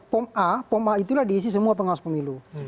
pom a pom a itulah diisi semua pengawas pemilu